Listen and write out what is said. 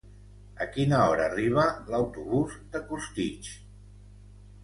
A quina hora arriba l'autobús de Costitx?